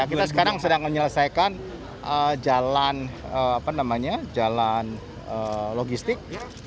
optimis kita kita sekarang sedang menyelesaikan jalan logistik